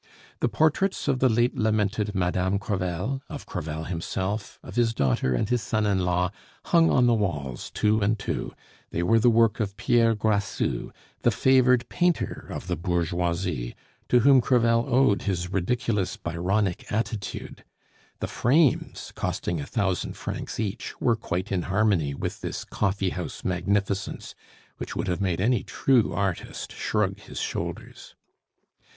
The portraits of the late lamented Madame Crevel, of Crevel himself, of his daughter and his son in law, hung on the walls, two and two; they were the work of Pierre Grassou, the favored painter of the bourgeoisie, to whom Crevel owed his ridiculous Byronic attitude. The frames, costing a thousand francs each, were quite in harmony with this coffee house magnificence, which would have made any true artist shrug his shoulders.